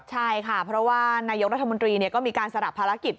ใช่ค่ะเพราะว่านายกรัฐมนตรีก็มีการสลับภารกิจ